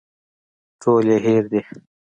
ټول يې هېر دي.